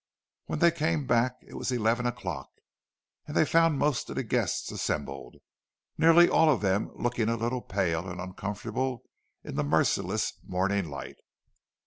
When they came back it was eleven o'clock, and they found most of the guests assembled, nearly all of them looking a little pale and uncomfortable in the merciless morning light.